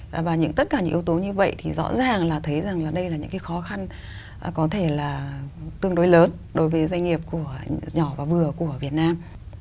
và tất cả những yếu tố như vậy thì rõ ràng là thấy rằng là đây là những cái khó khăn có thể là tương đối lớn đối với doanh nghiệp của nhỏ và vừa của việt nam